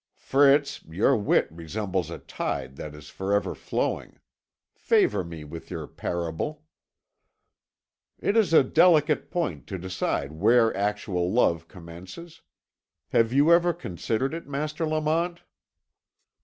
"Fritz, your wit resembles a tide that is for ever flowing. Favour me with your parable." "It is a delicate point to decide where actual love commences. Have you ever considered it, Master Lamont?"